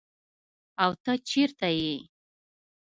او ته چیرته ئي ؟